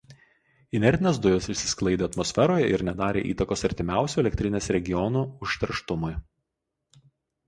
Inertinės dujos išsisklaidė atmosferoje ir nedarė įtakos artimiausių elektrinės regionų užterštumui.